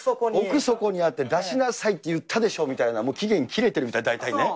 奥底にあって、出しなさいって言ったでしょみたいな、期限切れてるみたいな、大体ね。